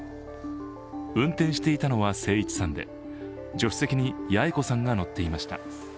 運転していたのは征一さんで、助手席に八重子さんが乗っていました。